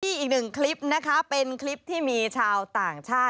อีกหนึ่งคลิปนะคะเป็นคลิปที่มีชาวต่างชาติ